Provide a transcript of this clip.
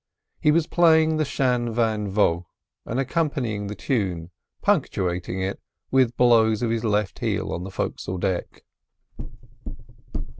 He was playing the "Shan van vaught," and accompanying the tune, punctuating it, with blows of his left heel on the fo'cs'le deck.